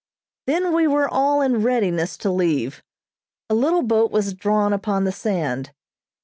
Then we were all in readiness to leave. A little boat was drawn upon the sand.